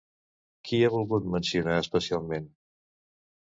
Qui ha volgut mencionar especialment?